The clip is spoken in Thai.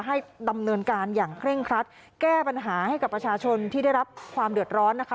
ให้ดำเนินการอย่างเคร่งครัดแก้ปัญหาให้กับประชาชนที่ได้รับความเดือดร้อนนะคะ